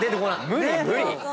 無理無理！